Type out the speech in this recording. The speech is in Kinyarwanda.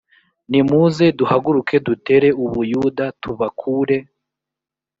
nimuze duhaguruke dutere u buyuda tubakure